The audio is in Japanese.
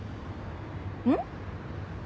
うん？